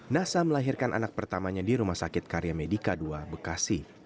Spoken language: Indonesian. nasa melahirkan anak pertamanya di rumah sakit karya medica ii bekasi